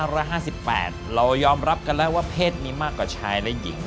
เรายอมรับกันแล้วว่าเพศมีมากกว่าชายและหญิง